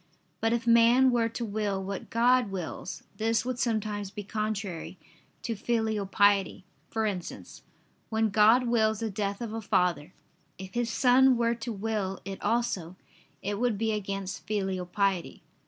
But if man were to will what God wills, this would sometimes be contrary to filial piety: for instance, when God wills the death of a father: if his son were to will it also, it would be against filial piety.